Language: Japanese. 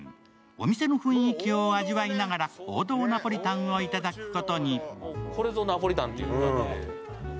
お店の雰囲気を味わいながら王道ナポリタンをいただくことに。